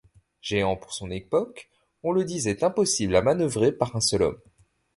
Géant pour son époque, on le disait impossible à manœuvrer par un seul homme.